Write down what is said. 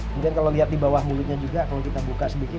mungkin kalau lihat di bawah mulutnya juga kalau kita buka sedikit